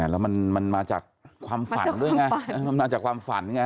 แล้วมันมาจากความฝันด้วยไงมันมาจากความฝันไง